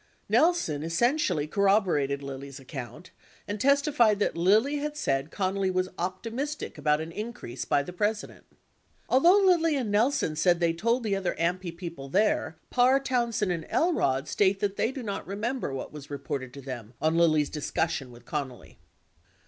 Nelson essentially corroborated Lilly's account and testified that Lilly had said Connally was optimistic about an increase by the President. 52 Although Lilly and Nelson said they told the other AMPI people there, Parr, Townsend, and Elrod state that they do not remember what was reported to them on Lilly's discussion with Connally.